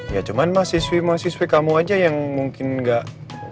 ya cuman mahasiswi mahasiswi kamu aja yang mungkin gak